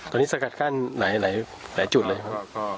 ตอนนี้สกัดกั้นหลายจุดเลยครับ